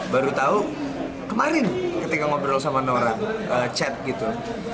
baru tau kemarin ketika ngobrol sama noran chat gitu